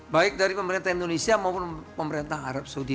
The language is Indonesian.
baik dari pemerintah indonesia maupun pemerintah arab saudi